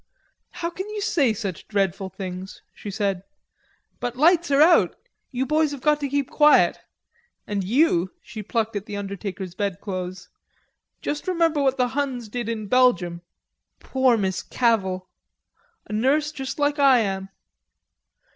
"How can you say such dreadful things?" she said. "But lights are out. You boys have got to keep quiet.... And you," she plucked at the undertaker's bedclothes, "just remember what the Huns did in Belgium.... Poor Miss Cavell, a nurse just like I am."